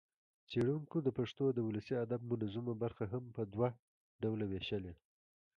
څېړنکو د پښتو د ولسي ادب منظومه برخه هم په دوه ډوله وېشلې